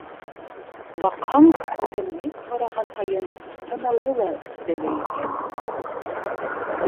Баҡһаң, түҙемлек һораған һайын һынауы ла өҫтәлә икән.